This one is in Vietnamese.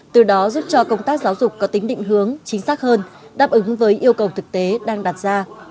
từ đó giúp cho công tác giáo dục có tính định hướng chính xác hơn đáp ứng với yêu cầu thực tế đang đặt ra